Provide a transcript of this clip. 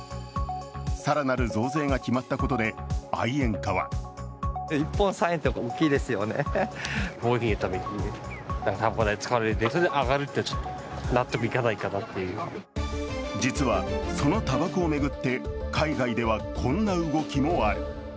更なる増税が決まったことで愛煙家は実は、そのたばこを巡って海外ではこんな動きもある。